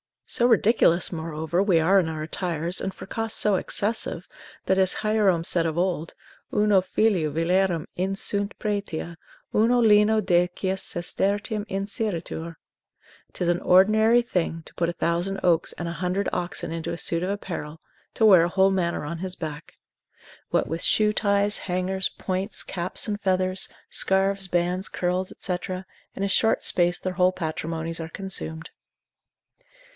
So ridiculous, moreover, we are in our attires, and for cost so excessive, that as Hierome said of old, Uno filio villarum insunt pretia, uno lino decies sestertium inseritur; 'tis an ordinary thing to put a thousand oaks and a hundred oxen into a suit of apparel, to wear a whole manor on his back. What with shoe ties, hangers, points, caps and feathers, scarves, bands, curls, &c., in a short space their whole patrimonies are consumed.